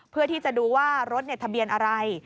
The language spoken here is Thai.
เพื่อที่จะดูว่ารถทะเบียนอะไร